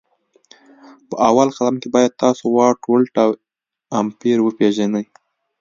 په اول قدم کي باید تاسو واټ ولټ او A امپري وپيژني